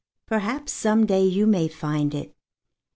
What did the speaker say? Perhaps some day you may find it.